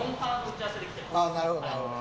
なるほどなるほど。